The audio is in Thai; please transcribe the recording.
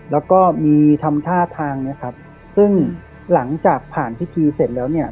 แล้วก็มีทำท่าทางเนี้ยครับซึ่งหลังจากผ่านพิธีเสร็จแล้วเนี่ย